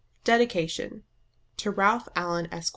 ] DEDICATION. To RALPH ALLEN, ESQ.